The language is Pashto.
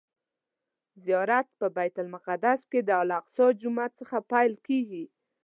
زیارت په بیت المقدس کې د الاقصی جومات څخه پیل کیږي.